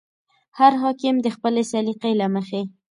هر حاکم د خپلې سلیقې له مخې.